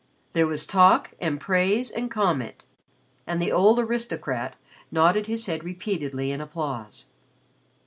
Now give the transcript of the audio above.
There was talk and praise and comment, and the old aristocrat nodded his head repeatedly in applause.